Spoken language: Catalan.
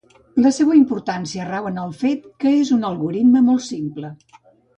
La seua importància rau en el fet que és un algoritme molt simple.